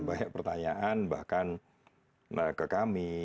banyak pertanyaan bahkan ke kami